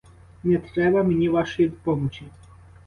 Не треба мені вашої помочі.